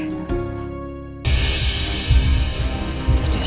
sekalian gue tanya soal job desk gue